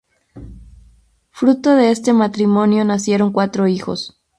Fruto de este matrimonio nacieron cuatro hijos.